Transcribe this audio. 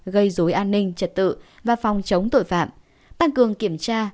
gây dối an ninh trật tự và phòng chống tội phạm tăng cường kiểm tra